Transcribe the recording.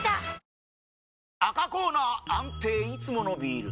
赤コーナー安定いつものビール！